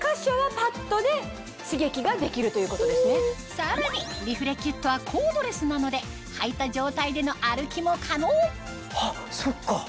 さらにリフレキュットはコードレスなので履いた状態での歩きも可能あっそっか！